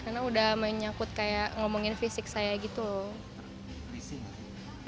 karena udah menyakut kayak ngomongin fisik saya gitu loh